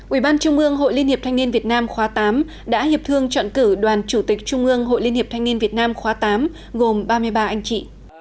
ủy ban trung ương hội liên hiệp thanh niên việt nam khóa tám đã hiệp thương chọn cử đoàn chủ tịch trung ương hội liên hiệp thanh niên việt nam khóa tám gồm ba mươi ba anh chị